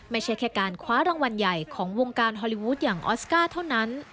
ไม่ใช่แค่การคว้ารางวัลใหญ่ของวงการฮอลลีวูดอย่างออสการ์เท่านั้น